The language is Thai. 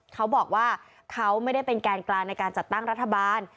เขาบอกว่าเขาไม่ได้เป็นแกนกลางในการจัดตั้งรัฐบาล